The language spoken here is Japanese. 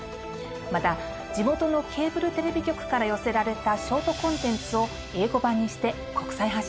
また地元のケーブルテレビ局から寄せられたショートコンテンツを英語版にして国際発信します。